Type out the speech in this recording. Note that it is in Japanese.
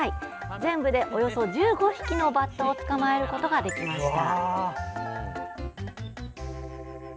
全部でおよそ１５匹のバッタを捕まえることができました。